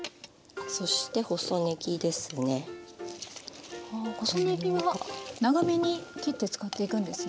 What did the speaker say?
あ細ねぎは長めに切って使っていくんですね。